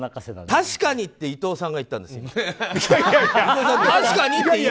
「確かに」って伊藤さんが言ったんです。